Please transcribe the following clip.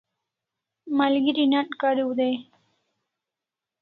Malgeri nat kariu dai e?